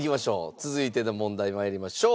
続いての問題参りましょう。